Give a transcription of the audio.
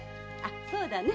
そうだね。